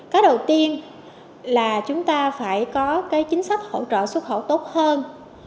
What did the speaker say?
cái đầu tiên là chúng ta phải có cái chính sách hỗ trợ xuất khẩu tốt hơn